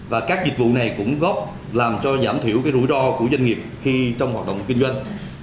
và các dịch vụ này cũng góp làm cho giảm thiểu cái rủi ro của doanh nghiệp khi trong hoạt động kinh doanh